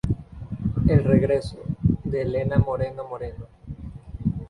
El regreso, de Elena Moreno Moreno.